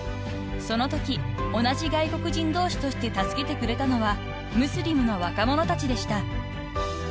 ［そのとき同じ外国人同士として助けてくれたのはムスリムの若者たちでした］